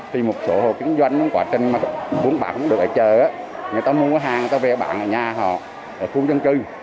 vì một số hồ kinh doanh quá trình mà muốn bạn không được ở chợ người ta mua hàng người ta về bạn ở nhà họ ở khu dân cư